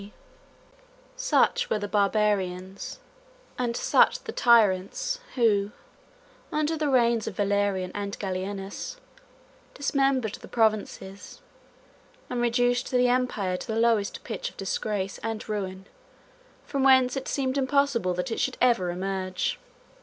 ] Such were the barbarians, and such the tyrants, who, under the reigns of Valerian and Gallienus, dismembered the provinces, and reduced the empire to the lowest pitch of disgrace and ruin, from whence it seemed impossible that it should ever emerge.